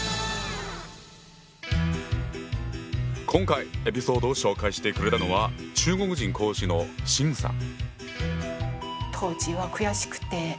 今回エピソードを紹介してくれたのは中国人講師の秦さん。